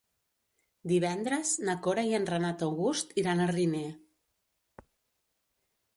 Divendres na Cora i en Renat August iran a Riner.